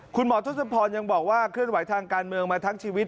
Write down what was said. คุณหมอทศพรยังบอกว่าเคลื่อนไหวทางการเมืองมาทั้งชีวิต